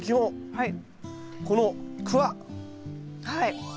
はい。